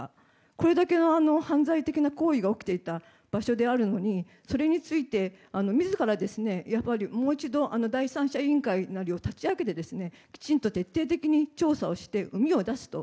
これだけの犯罪的な行為が起きていた場所であるのにそれについて自らもう一度、第三者委員会なりを立ち上げてきちんと徹底的に調査をしてうみを出すと。